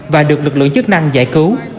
và được lực lượng chức năng giải cứu